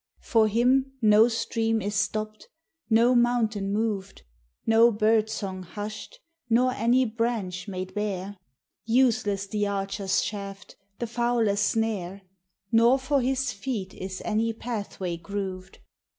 For him no stream is stopped, no mountain moved, No bird song hushed, nor any branch made bare; Useless the archer's shaft, the fowler's snare; Nor for his feet is any pathway grooved.